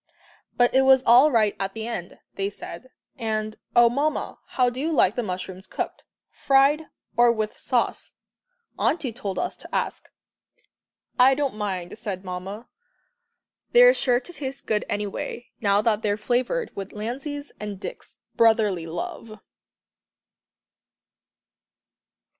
"But it was all right at the end," they said, "and oh, Mamma, how do you like the mushrooms cooked? Fried or with sauce? Auntie told us to ask." "I don't mind," said Mamma, "they are sure to taste good any way, now that they are flavoured with Lancey's and Dick's brotherly love."